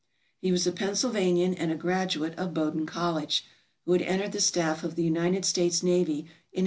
He was a Pennsylvanian and a grad uate of Bowdoin College, who had entered the staff of the United States Navy in 1881.